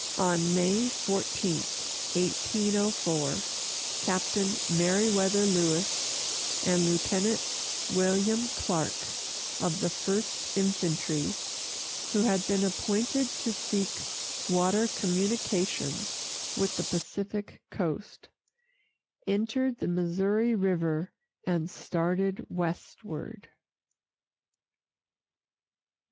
On May 14, 1804, Captain Meriwether Lewis and Lieutenant William Clark, of the First Infantry, who had been appointed to seek water communication with the Pacific Coast, entered the Missouri River and started westward.